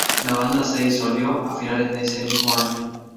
La banda se disolvió a finales de ese mismo año.